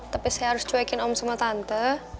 tapi saya harus cuekin om sama tante